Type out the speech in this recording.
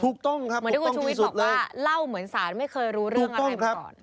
ครับเหมือนที่คุณชูวิทย์บอกว่าเล่าเหมือนสารไม่เคยรู้เรื่องอะไรมาก่อน